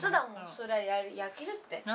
そりゃ焼けるって。